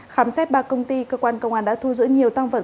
khám xét ba công ty cơ quan công an đã thu giữ nhiều tăng vật